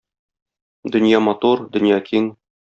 Дөнья матур, дөнья киң.